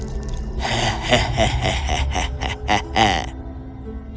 melingkari para putri